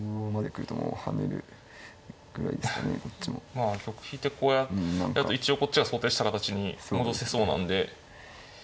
まあ玉引いてこうやると一応こっが想定した形に戻せそうなんで。